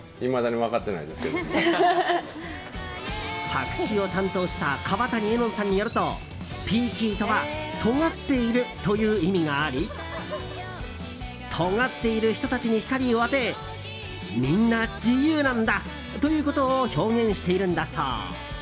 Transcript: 作詞を担当した川谷絵音さんによると「ＰＥＡＫＹ」とはとがっているという意味がありとがっている人たちに光を当てみんな自由なんだということを表現しているんだそう。